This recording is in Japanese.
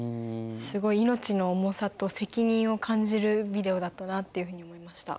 すごい命の重さと責任を感じるビデオだったなっていうふうに思いました。